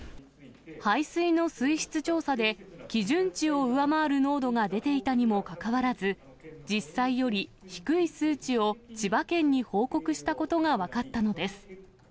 排水の水質調査で、基準値を上回る濃度が出ていたにもかかわらず、実際より低い数値を千葉県に報告したことが分かったのです。